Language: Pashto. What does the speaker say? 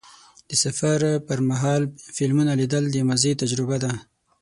د سفر پر مهال فلمونه لیدل د مزې تجربه ده.